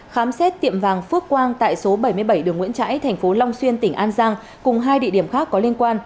khám xét tiệm vàng phước quang tại số bảy mươi bảy đường nguyễn trãi tp long xuyên tỉnh an giang cùng hai địa điểm khác có liên quan